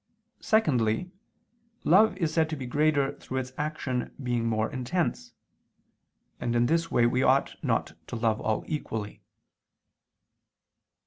Secondly love is said to be greater through its action being more intense: and in this way we ought not to love all equally.